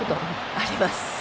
あります。